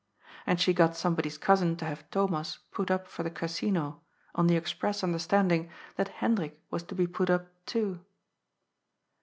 And she got somebody's cousin to have Thomas put up for the Casino, on the express understanding that Hendrik was to be put up too.